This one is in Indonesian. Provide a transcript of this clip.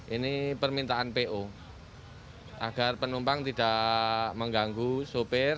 ini permintaan po agar penumpang tidak mengganggu sopir